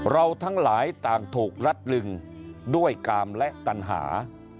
เราทั้งหลายต่างถูกรัดลึงด้วยกามและตันหา